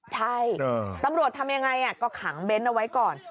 ใช่ตำรวจทำยังไงก็ขังเบ้นเอาไว้ก่อน